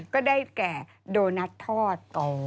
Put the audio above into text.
ก็ได้แก่โดนัททอดต่อ